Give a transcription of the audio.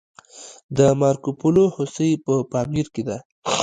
د مارکوپولو هوسۍ په پامیر کې ده